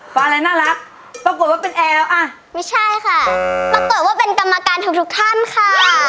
อะไรน่ารักปรากฏว่าเป็นแอลอ่ะไม่ใช่ค่ะปรากฏว่าเป็นกรรมการทุกทุกท่านค่ะ